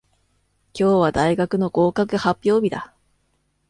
今日は大学の合格発表日だ。